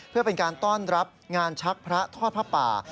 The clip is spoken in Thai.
เพื่อเป็นการต้อนรับงานชักพระทอดผ้าป่า